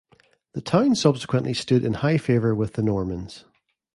The town subsequently stood in high favour with the Normans.